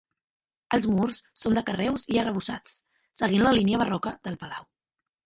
Els murs són de carreus i arrebossats, seguint la línia barroca del palau.